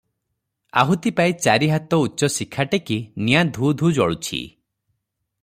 ଆହୁତି ପାଇ ଚାରି ହାତ ଉଚ୍ଚ ଶିଖା ଟେକି ନିଆଁ ଧୂ-ଧୂ ଜଳୁଛି ।